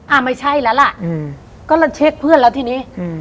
อ่ะไม่ใช่แล้วล่ะอืมก็เลยเช็คเพื่อนแล้วทีนี้อืม